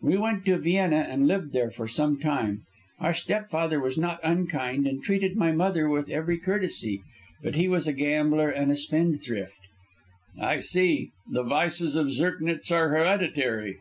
We went to Vienna and lived there for some time. Our stepfather was not unkind, and treated my mother with every courtesy, but he was a gambler and a spendthrift." "I see. The vices of Zirknitz are hereditary!"